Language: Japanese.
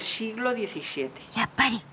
やっぱり。